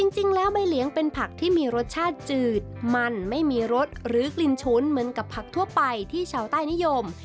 จริงแล้วใบเหลียงเป็นผักที่มีรสชาติจืดมันไม่มีรสหรือกลิ่นฉุนเหมือนกับผักทั่วไปที่ชาวใต้นิยม